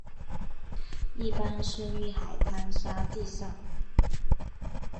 一般生于海滩沙地上。